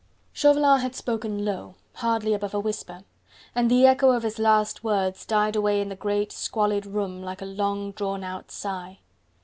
Chauvelin had spoken low, hardly above a whisper, and the echo of his last words died away in the great, squalid room like a long drawn out sigh.